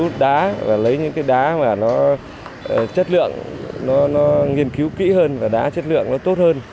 hút đá và lấy những cái đá mà nó chất lượng nó nghiên cứu kỹ hơn và đá chất lượng nó tốt hơn